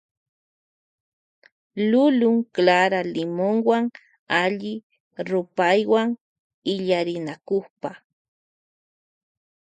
Lulun clara limonwa alli rupaywan illarinakukpa.